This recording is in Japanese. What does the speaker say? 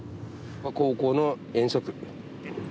高校の遠足。